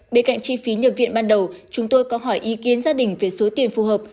bên cạnh chi phí nhập viện ban đầu chúng tôi có hỏi ý kiến gia đình về số tiền phù hợp